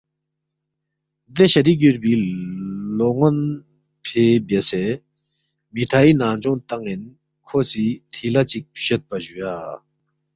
دے شدی گیُوربی لون٘ون فے بیاسے مِٹھائی ننگجونگ تان٘ین کھو سی تِھیلا چِک فچویدپا جُویا